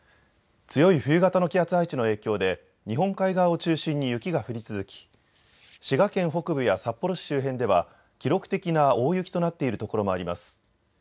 強い冬型の気圧配置の影響で日本海側を中心に雪が降り続き滋賀県北部や札幌市周辺では記録的な大雪となっているところもあります。